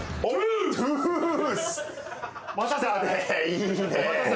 いいね。